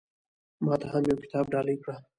ما ته هم يو کتاب ډالۍ کړه